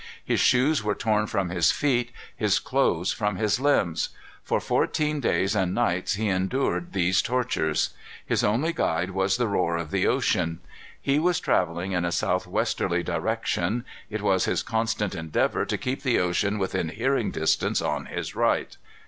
His shoes were torn from his feet, his clothes from his limbs. For fourteen days and nights he endured these tortures. His only guide was the roar of the ocean. He was travelling in a southwesterly direction. It was his constant endeavor to keep the ocean within hearing distance on his right.